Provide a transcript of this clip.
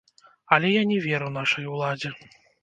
Але я не веру нашай уладзе.